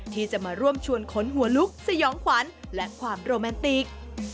ที่จะมาร่วมชวนขนหัวลุกสยองขวัญและความโรแมนติก